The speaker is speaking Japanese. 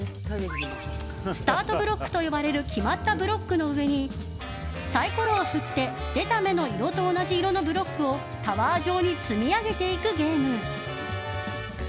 スタートブロックと呼ばれる決まったブロックの上にサイコロを振って出た目の色と同じ色のブロックをタワー状に積み上げていくゲーム。